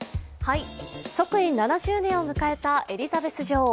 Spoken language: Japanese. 即位７０年を迎えたエリザベス女王。